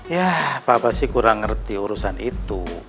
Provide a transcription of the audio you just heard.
yah pa pasti kurang ngerti urusan itu